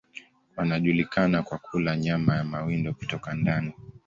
Wanajulikana kwa kula nyama ya mawindo kutoka ndani.